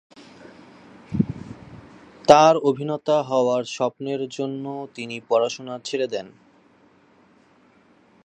তার অভিনেতা হওয়ার স্বপ্নের জন্য তিনি পড়াশোনা ছেড়ে দেন।